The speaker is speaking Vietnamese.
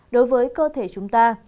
đối với cơ thể chúng ta